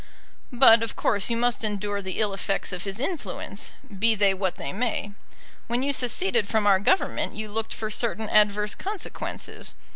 "But of course you must endure the ill effects of his influence, be they what they may. When you seceded from our Government you looked for certain adverse consequences.